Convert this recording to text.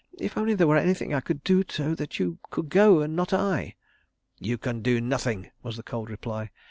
"If only there were anything I could do so that you could go, and not I—" "You can do nothing," was the cold reply.